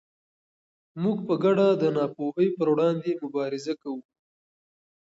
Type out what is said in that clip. موږ په ګډه د ناپوهۍ پر وړاندې مبارزه کوو.